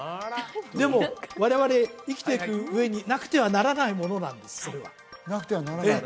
でも我々生きていく上になくてはならないものなんですそれはなくてはならない？